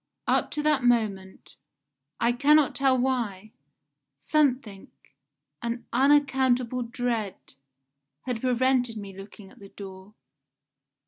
Up to that moment I cannot tell why something an unaccountable dread had prevented me looking at the door.